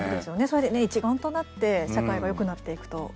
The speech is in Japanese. それで一丸となって社会がよくなっていくと。